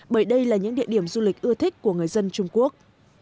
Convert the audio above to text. bởi đây là những địa điểm du lịch ưa thích của người dân trung quốc